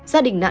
gia đình nạn